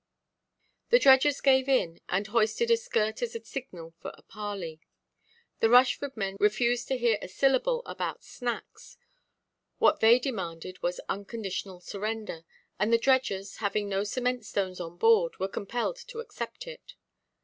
Georg. i. 448. The dredgers gave in, and hoisted a shirt as a signal for a parley. The Rushford men refused to hear a syllable about "snacks." What they demanded was "unconditional surrender;" and the dredgers, having no cement–stones on board, were compelled to accept it.